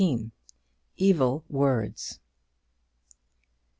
EVIL WORDS.